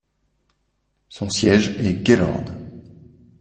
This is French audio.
Son siège est Gaylord.